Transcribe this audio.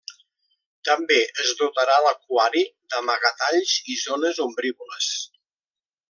També es dotarà l'aquari d'amagatalls i zones ombrívoles.